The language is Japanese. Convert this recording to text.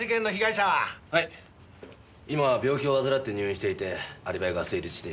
今は病気を患って入院していてアリバイが成立しています。